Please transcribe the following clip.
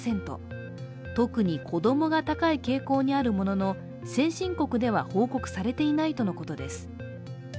特に子供が高い傾向にあるものの、先進国では報告されていないとのことです。